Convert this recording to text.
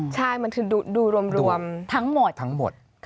ใช่มันคือดูรวมทั้งหมด